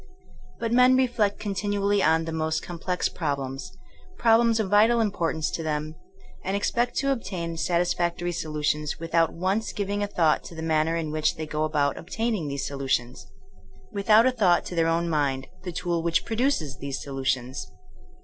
But men reflect continually on the most complex problems — ^problems of vital impor tance to them — ^and expect to obtain satisfac tory solutions, without once giving a thought to the manner in which they go about obtaining those solutions ; without a thought to their own mind, the tool which produces those solutions.